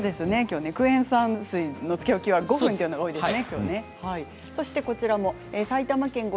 クエン酸水のつけ置きは５分というのが多いですね。